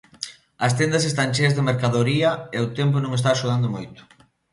As tendas están cheas de mercadoría e o tempo non está axudando moito.